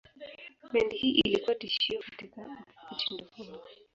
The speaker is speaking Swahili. Bendi hii ilikuwa tishio katika mtindo huo.